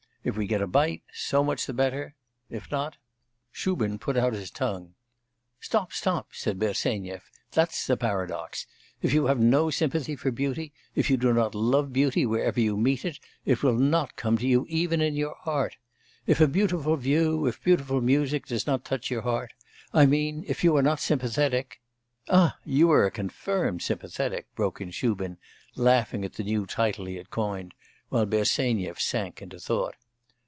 If we get a bite, so much the better, if not ' Shubin put out his tongue. 'Stop, stop,' said Bensenyev, 'that's a paradox. If you have no sympathy for beauty, if you do not love beauty wherever you meet it, it will not come to you even in your art. If a beautiful view, if beautiful music does not touch your heart; I mean, if you are not sympathetic ' 'Ah, you are a confirmed sympathetic!' broke in Shubin, laughing at the new title he had coined, while Bersenyev sank into thought.